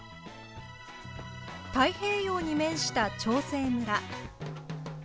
太平洋に面した長生村。